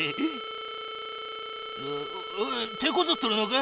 てこずっとるのか？